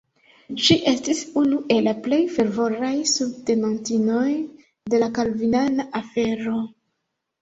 Ŝi estis unu el la plej fervoraj subtenantinoj de la kalvinana afero.